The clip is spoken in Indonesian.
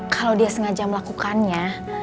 kalau dia sengaja melakukannya